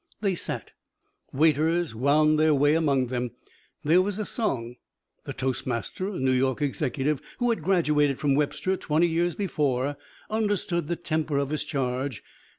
They sat. Waiters wound their way among them. There was a song. The toastmaster, a New York executive who had graduated from Webster twenty years before, understood the temper of his charge.